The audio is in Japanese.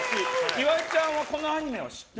岩井ちゃんはこのアニメは知ってる？